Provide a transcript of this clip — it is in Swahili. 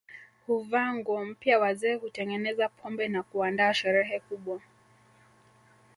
Huvaa nguo mpya wazee hutengeneza pombe na kuandaa sherehe kubwa